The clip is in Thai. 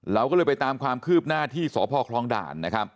เราก็เลยไปตามความคืบหน้าที่สพคร้องด่าน